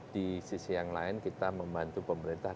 di sisi yang lain kita membantu pemerintah